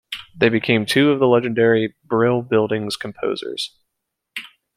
They became two of the legendary Brill Building's composers.